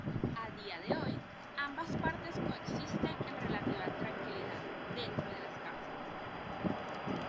A día de hoy ambas partes coexisten en relativa tranquilidad dentro de las cárceles.